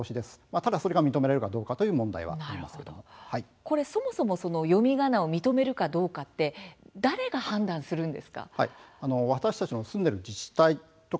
ただそれが認められるかどうかそもそも読みがなを認めるかどうかは誰が判断するんですか。